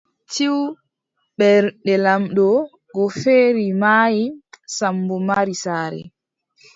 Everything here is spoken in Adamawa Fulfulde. Ciw, Ɓernde laamɗo go feeri, maayi, Sammbo mari saare.